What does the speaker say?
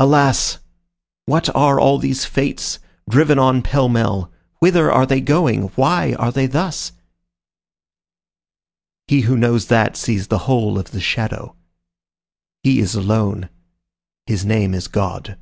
Alas! What are all these fates, driven on pell mell? Whither are they going? Why are they thus? He who knows that sees the whole of the shadow. He is alone. His name is God.